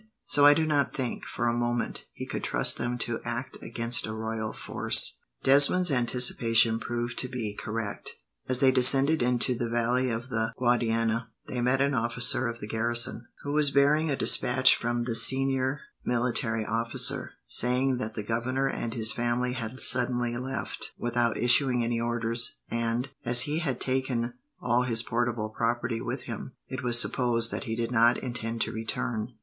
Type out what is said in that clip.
So I do not think, for a moment, he could trust them to act against a royal force." Desmond's anticipation proved to be correct. As they descended into the valley of the Guadiana, they met an officer of the garrison, who was bearing a despatch from the senior military officer, saying that the governor and his family had suddenly left without issuing any orders, and, as he had taken all his portable property with him, it was supposed that he did not intend to return.